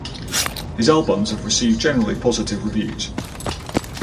His albums have received generally positive reviews.